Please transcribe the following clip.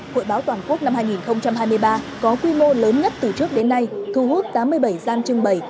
hội báo toàn quốc năm hai nghìn hai mươi ba có quy mô lớn nhất từ trước đến nay thu hút tám mươi bảy gian trưng bày